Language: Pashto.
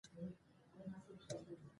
بهرنۍ تجربې د مطالعې له لارې رامنځته کېږي.